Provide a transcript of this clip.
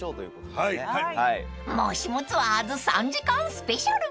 ［『もしもツアーズ』３時間スペシャル！］